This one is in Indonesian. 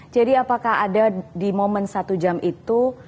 jadi apakah ada di moment satu jam itu